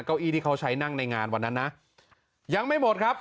เก้าอี้ที่เขาใช้นั่งในงานวันนั้นนะยังไม่หมดครับ